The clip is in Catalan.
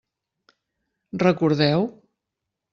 Recordeu?